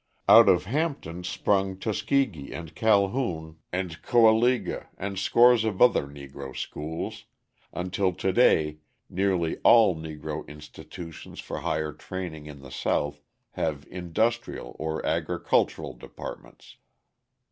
Out of Hampton sprung Tuskegee and Calhoun and Kowaliga and scores of other Negro schools, until to day nearly all Negro institutions for higher training in the South have industrial or agricultural departments.